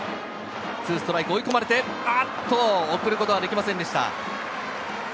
２ストライク、追い込まれて送ることができませんでした。